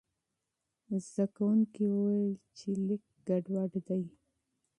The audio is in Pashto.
شاګرد وویل چې لیک ګډوډ دی.